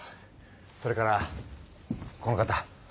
それからこの方。